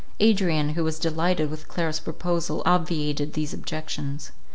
Adrian, who was delighted with Clara's proposal, obviated these objections.